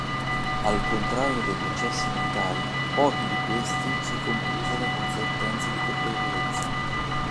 Al contrario dei processi militari, pochi di questi si conclusero con sentenze di colpevolezza.